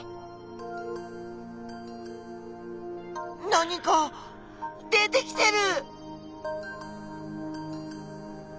何か出てきてる！